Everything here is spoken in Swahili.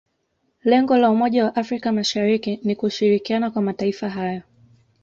lengo la umoja wa afrika mashariki ni kushirikiana kwa mataifa hayo